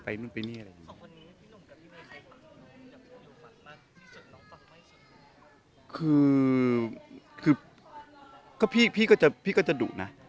พี่ก็จะดุนะ